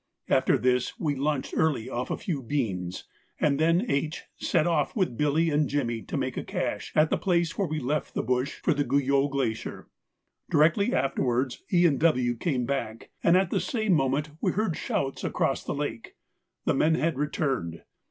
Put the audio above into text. After this we lunched early off a few beans, and then H. set off with Billy and Jimmy to make a cache at the place where we left the bush for the Guyot Glacier. Directly afterwards E. and W. came back, and at the same moment we heard shouts across the lake. The men had returned.